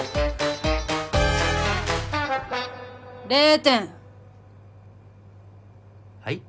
０点はい？